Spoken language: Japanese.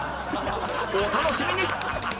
お楽しみに！